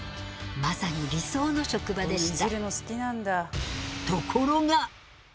まさに理想の職場でした。